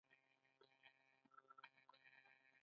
د علامه رشاد لیکنی هنر مهم دی ځکه چې تېروتنې رااخلي.